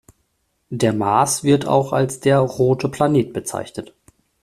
Der Mars wird auch als der „rote Planet“ bezeichnet.